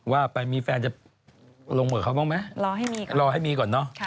ว่าไปมีแฟนจะลงเหมือนเขาบ้างไหมรอให้มีก่อน